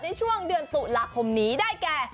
ในช่วงเดือนศุษฎ๖๐๐นี้ได้แก่